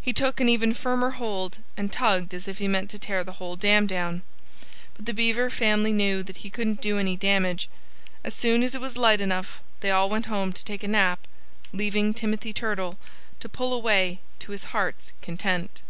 He took an even firmer hold and tugged as if he meant to tear the whole dam down. But the Beaver family knew that he couldn't do any damage. And as soon as it was light enough they all went home to take a nap, leaving Timothy Turtle to pull away to his heart's content.